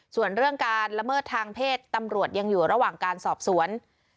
ส่วนเรื่องการละเมิดทางเพศตำรวจยังอยู่ระหว่างการสอบสวน